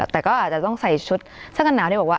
แต่ก็อาจจะต้องใส่ชุดเสื้อกันหนาวที่บอกว่า